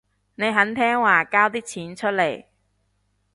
你肯聽話交啲錢出嚟